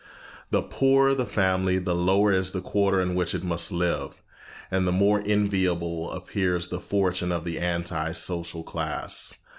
"The poorer the family, the lower is the quarter in which it must live, and the more enviable appears the fortune of the anti social class."